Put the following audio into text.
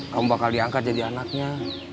kamu bakal diangkat jadi anaknya